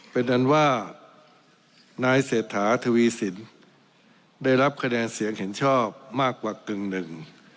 เป็นอันว่านายเศรษฐาทวีสินได้รับคะแนนเสียงเห็นชอบมากกว่ากึ่งหนึ่ง